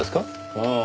ああ。